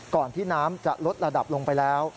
ที่น้ำจะลดระดับลงไปแล้ว